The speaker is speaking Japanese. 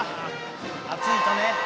「暑いとね」